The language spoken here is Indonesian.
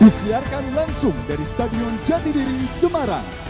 disiarkan langsung dari stadion jatidiri semarang